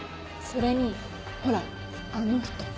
それにほらあの人。